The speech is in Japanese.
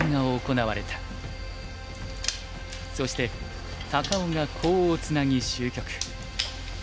そして高尾がコウをツナぎ終局。